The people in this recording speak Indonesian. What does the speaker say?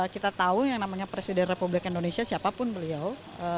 kita tahu yang namanya presiden republik indonesia siapapun beliau